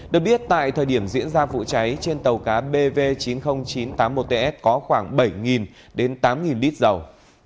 được biết tại thời điểm diễn ra vụ cháy trên tàu cá bv chín mươi nghìn chín trăm tám mươi một ts có khoảng bảy đến tám lít dầu